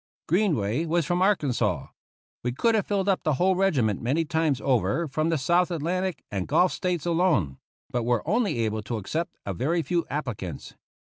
Greenway was from Arkansas. We could have filled up the whole regiment many times over from the South Atlantic and Gulf States alone, but were only able to accept a very few appli cants.